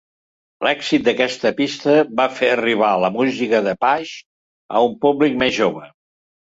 L'èxit d'aquesta pista va fer arribar la música de Page a un públic més jove.